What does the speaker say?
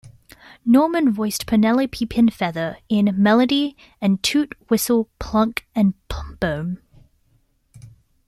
Norman voiced Penelope Pinfeather in "Melody" and "Toot, Whistle, Plunk and Boom".